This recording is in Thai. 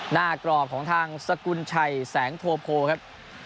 กรอบของทางสกุลชัยแสงโทโพครับ